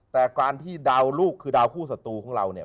แต่การที่ดาวลูกคือดาวคู่ศัตรูของเราเนี่ย